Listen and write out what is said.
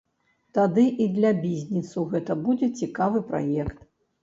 Тады і для бізнесу гэта будзе цікавы праект.